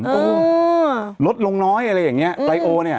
ตรงลดลงน้อยอะไรอย่างนี้ไลโอเนี่ย